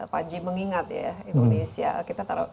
pak ji mengingat ya indonesia